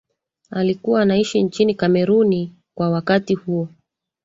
alikuwa anaishi nchini Kameruni kwa wakati huo